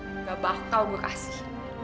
nggak bakal gue kasih